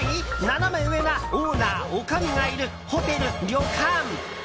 ナナメ上なオーナー・おかみがいるホテル・旅館。